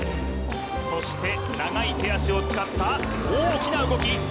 そして長い手足を使った大きな動き